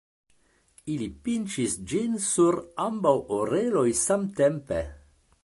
Ili pinĉis ĝin sur ambaŭ oreloj samtempe.